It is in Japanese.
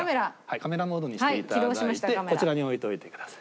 カメラモードにしていただいてこちらに置いといてください。